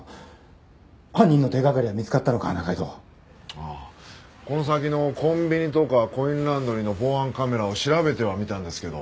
ああこの先のコンビニとかコインランドリーの防犯カメラを調べてはみたんですけど。